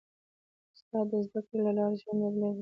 استاد د زدهکړې له لارې ژوند بدلوي.